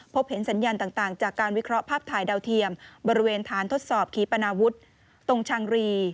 พบเห็นสัญญาณต่างจากการวิเคราะห์ภาพถ่ายดาวเทียมบริเวณฐานทดสอบขีปนาวุฒิตรงชังรี